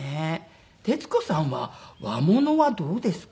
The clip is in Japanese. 徹子さんは和物はどうですか？